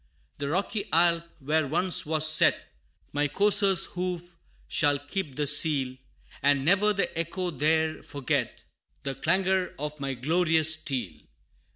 The rocky Alp, where once was set My courser's hoof, shall keep the seal, And ne'er the echo there forget The clangor of my glorious steel.